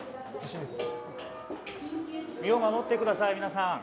身を守って下さい皆さん。